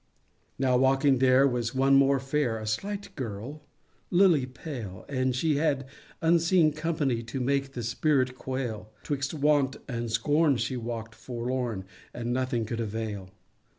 Now walking there was one more fair— A slight girl, lily pale; And she had unseen company To make the spirit quail— 'Twixt Want and Scorn she walk'd forlorn, And nothing could avail.